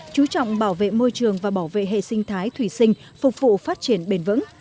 chú trọng bảo vệ môi trường và bảo vệ hệ sinh thái thủy sinh phục vụ phát triển bền vững